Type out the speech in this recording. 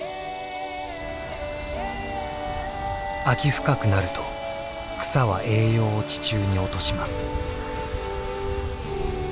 秋深くなると草は栄養を地中に落とします。